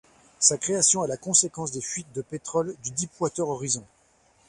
Sa création est la conséquence des fuites de pétrole de Deepwater Horizon.